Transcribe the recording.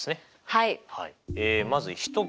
はい。